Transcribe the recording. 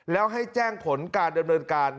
แล้วให้แจ้งผลการดำเนินการ